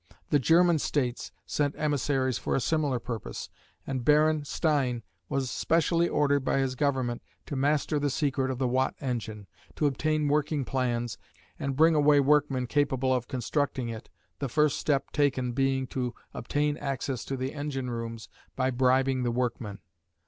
The German states sent emissaries for a similar purpose, and Baron Stein was specially ordered by his government to master the secret of the Watt engine, to obtain working plans, and bring away workmen capable of constructing it, the first step taken being to obtain access to the engine rooms by bribing the workmen.